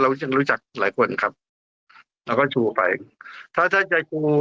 ยังรู้จักหลายคนครับเราก็ชูไปถ้าถ้าใจกู